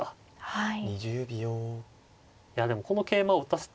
はい。